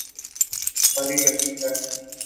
ماری لمبی ہے۔